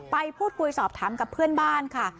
ไปพูดคุยสอบถามกับเพื่อนบ้านค่ะ